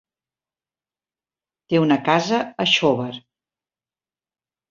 Té una casa a Xóvar.